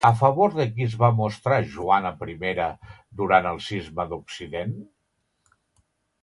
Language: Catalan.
A favor de qui es va mostrar Joana I durant el Cisma d'Occident?